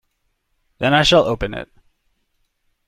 Then I shall open it.